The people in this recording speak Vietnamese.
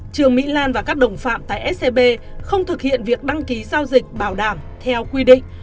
trương mỹ lan và các đồng phạm tại scb không thực hiện việc đăng ký giao dịch bảo đảm theo quy định